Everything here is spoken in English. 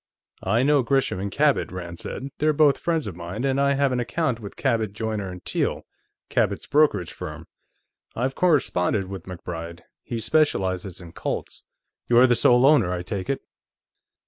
"I know Gresham and Cabot," Rand said. "They're both friends of mine, and I have an account with Cabot, Joyner & Teale, Cabot's brokerage firm. I've corresponded with MacBride; he specializes in Colts.... You're the sole owner, I take it?"